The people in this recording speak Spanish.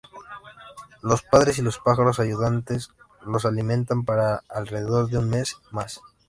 Los padres y los pájaros ayudantes los alimentan para alrededor de un mes más.